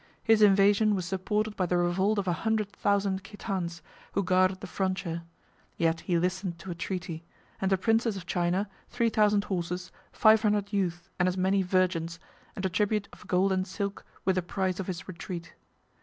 His invasion was supported by the revolt of a hundred thousand Khitans, who guarded the frontier: yet he listened to a treaty; and a princess of China, three thousand horses, five hundred youths, and as many virgins, and a tribute of gold and silk, were the price of his retreat.